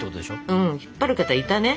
うん引っ張る方いたね。